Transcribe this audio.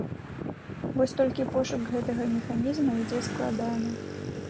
Вось толькі пошук гэтага механізма ідзе складана.